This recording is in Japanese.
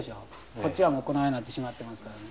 こっちはこないなってしまってますからね。